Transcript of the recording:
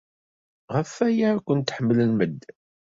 Ɣef waya ay kent-ḥemmlen medden.